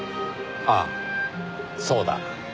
ああそうだ。